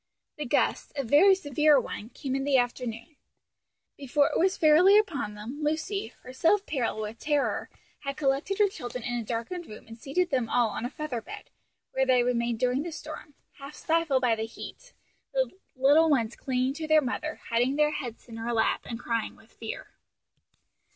The gust, a very severe one, came in the afternoon. Before it was fairly upon them, Lucy, herself pale with terror, had collected her children in a darkened room and seated them all on a feather bed, where they remained during the storm, half stifled by the heat, the little ones clinging to their mother, hiding their heads in her lap and crying with fear.